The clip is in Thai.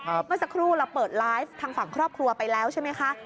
เมื่อสักครู่เราเปิดไลฟ์ทางฝั่งครอบครัวไปแล้วใช่ไหมคะ